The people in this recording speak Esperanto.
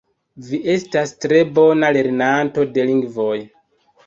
Vi estas tre bona lernanto de lingvoj